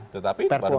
tetapi baru baru saja